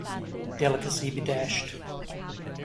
Delicacy be dashed.